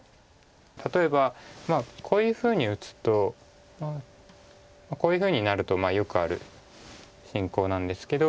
例えばこういうふうに打つとこういうふうになるとよくある進行なんですけど。